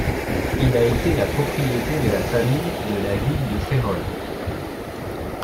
Il a été la propriété de la famille de La Ville de Férolles.